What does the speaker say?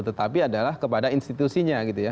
tetapi adalah kepada institusinya gitu ya